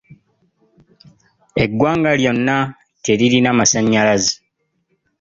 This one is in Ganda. Eggwanga lyonna teririna masannyalaze.